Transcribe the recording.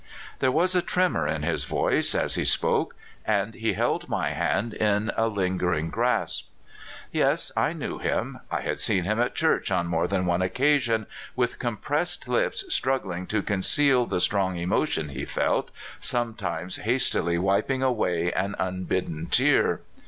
There was a tremor in his voice as he spoke, and he held my hand in a lingering grasp. Yes, I knew^ him. I had seen him at church on more than one occasion with compressed lips strug gling to conceal the strong emotion he felt, some times hastily wiping away an unbidden tear.